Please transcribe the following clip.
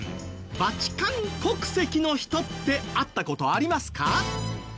バチカン国籍の人って会った事ありますか？